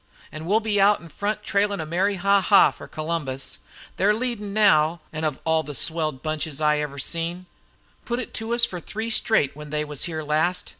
An' we 'll be out in front trailin' a merry 'Ha! Ha!' fer Columbus. They're leadin' now, an' of all the swelled bunches I ever seen! Put it to us fer three straight when they was here last.